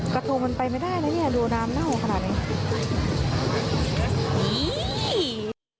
กระทงมันไปไม่ได้แล้วดูน้ำเน่าขนาดนี้